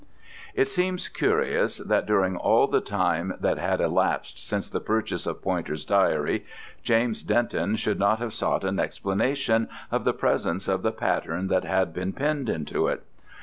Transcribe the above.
It seems curious that, during all the time that had elapsed since the purchase of Poynter's diary, James Denton should not have sought an explanation of the presence of the pattern that had been pinned into it.